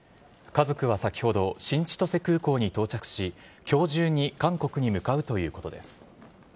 家族は先ほど、新千歳空港に到着し、きょう中に韓国に向かうということです。